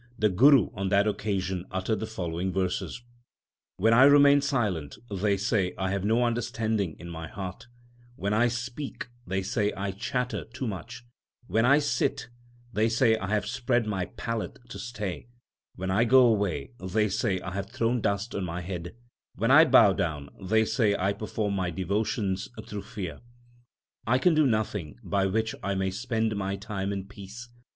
The Guru on that occasion uttered the following verses : When I remain silent, they say I have no understanding in my heart ; When I speak, they say I chatter too much ; When I sit, they say I have spread my pallet to stay ; When I go away, they say I have thrown dust on my head ; 2 When I bow down, they say I perform my devotions through fear. I can do nothing by which I may spend my time in peace.